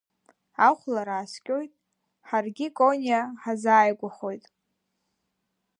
Ахәлара ааскьоит, ҳаргьы Кониа ҳазааигәахоит.